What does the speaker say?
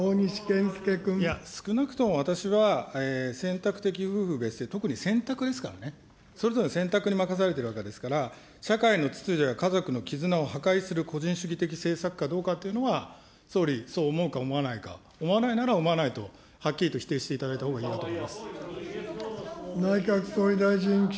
少なくとも私は選択的夫婦別姓、特に選択ですからね、それぞれの選択に任されているわけですから、社会の秩序や家族の絆を破壊する個人主義的政策かどうかというのは総理、そう思うか思わないか、思わないなら思わないと、はっきりと否定していただいたほうがいいと思います。